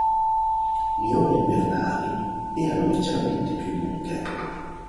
Le ore invernali erano leggermente più lunghe.